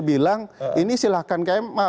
bilang ini silahkan kem